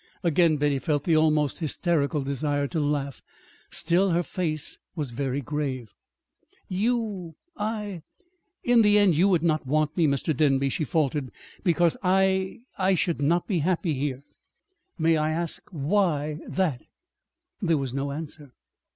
Again Betty felt the almost hysterical desire to laugh. Still her face was very grave. "You I In the end you would not want me, Mr. Denby," she faltered, "because I I should not be happy here." "May I ask why that?" There was no answer.